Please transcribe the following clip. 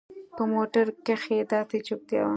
په موټر کښې داسې چوپتيا وه.